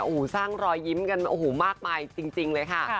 อรูสร้างรอยยิ้มกันมากมากจริงเลยค่ะ